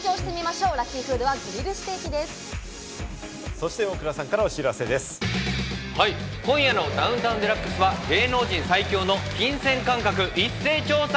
そして大倉さんからお知らせ今夜の『ダウンタウンＤＸ』は芸能人最強の金銭感覚一斉調査